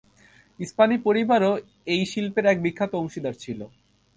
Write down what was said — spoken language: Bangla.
ইস্পাহানী পরিবারও এই শিল্পের এক বিখ্যাত অংশীদার ছিল।